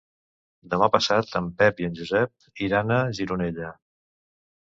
Demà passat en Pep i en Josep iran a Gironella.